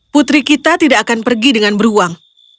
putri kita tidak akan pergi dengan beruang